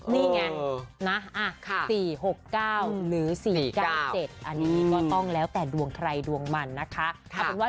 นี่ไงนะ๔๖๙หรือ๔๙๗อันนี้ก็ต้องแล้วแต่ดวงใครดวงมันนะคะ